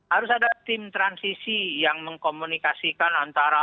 harus ada tim transisi yang mengkomunikasikan antara